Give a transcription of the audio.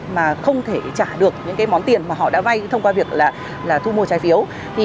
mà không thể trả được những món tiền mà họ đã vay thông qua việc thu mua trái phiếu